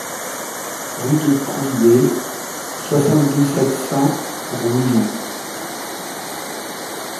Rue de Pruillé, soixante-douze, sept cents Rouillon